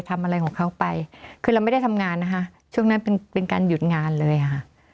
ทำอะไรของเขาไปคือเราไม่ได้ทำงานนะคะช่วงนั้นเป็นเป็นการหยุดงานเลยอ่ะค่ะ